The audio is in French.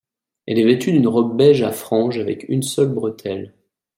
Elle est vêtue d'une robe beige à franges avec une seule bretelle.